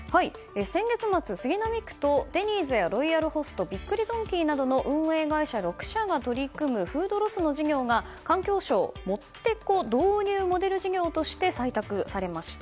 先月末、杉並区とデニーズやロイヤルホストびっくりドンキーなどの運営会社６社が取り組むフードロスの事業が環境省ｍｏｔｔＥＣＯ導入モデル事業として採択されました。